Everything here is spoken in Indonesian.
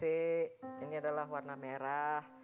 ini adalah warna merah